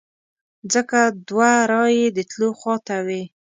ځکه دوه رایې د تلو خواته وې.